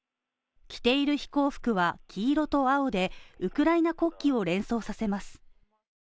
着ている飛行服は黄色と青でウクライナ国旗を連想させます。